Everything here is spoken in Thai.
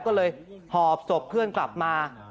เก็บสมสบเพื่อนกลับมา